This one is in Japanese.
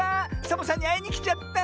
サボさんにあいにきちゃった！